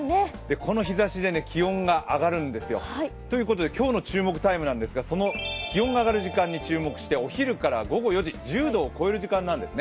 この日ざしで気温が上がるんですよ。ということで、今日の注目タイムなんですが、その気温が上がる時間に注目して、お昼から午後４時、１０度を超える時間なんですね。